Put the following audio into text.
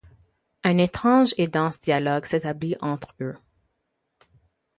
Un étrange et dense dialogue s'établit entre eux...